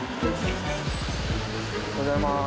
おはようございます。